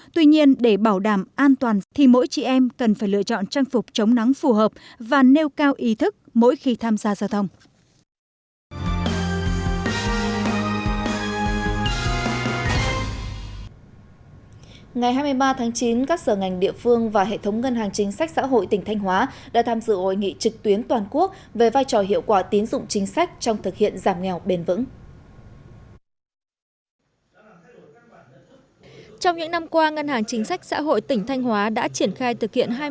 tuy nhiên số hợp tác xã hoạt động có hiệu quả chưa đến ba mươi